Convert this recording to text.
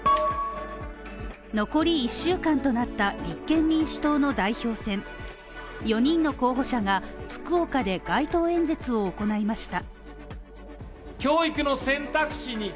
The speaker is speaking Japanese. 残り１週間となった立憲民主党の代表選、４人の候補者が福岡で街頭演説を行いました。